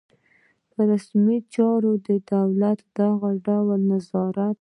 پر رسمي چارو د دولت دغه ډول نظارت.